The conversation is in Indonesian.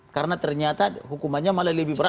karena ternyata hukumannya malah lebih berat